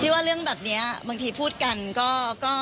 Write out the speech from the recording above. ว่าเรื่องแบบนี้บางทีพูดกันก็